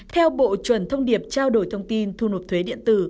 theo bộ chuẩn thông điệp trao đổi thông tin thu nộp thuế điện tử